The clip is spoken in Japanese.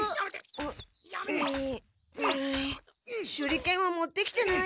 手裏剣は持ってきてない。